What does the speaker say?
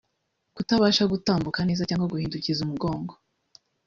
Kutabasha gutambuka neza cg guhindukiza umugongo